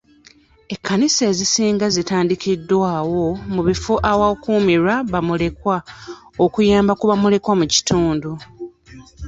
Ekkanisa ezisinga zitandikawo ebifo awakuumirwa bamulekwa okuyamba ku bamulekwa mu bitundu.